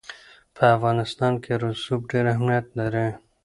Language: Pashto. په افغانستان کې رسوب ډېر اهمیت لري.